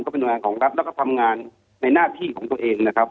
เป็นหน่วยงานของรัฐแล้วก็ทำงานในหน้าที่ของตัวเองนะครับ